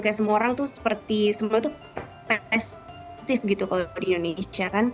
kayak semua orang tuh seperti semua tuh pestive gitu kalau di indonesia kan